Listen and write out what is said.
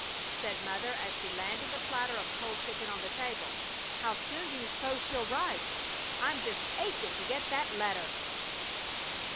Said Mother, as she landed the platter of cold chicken on the table, "How soon do you s'pose she'll write? I'm just aching to get that letter!"